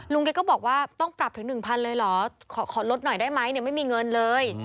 แกก็บอกว่าต้องปรับถึง๑๐๐เลยเหรอขอลดหน่อยได้ไหมเนี่ยไม่มีเงินเลย